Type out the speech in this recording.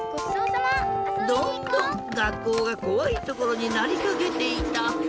どんどんがっこうがこわいところになりかけていた。